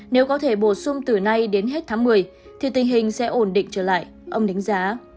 nếu có thể bổ sung từ nay đến hết tháng một mươi thì tình hình sẽ ổn định trở lại ông đánh giá